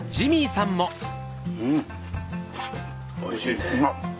うんおいしいね。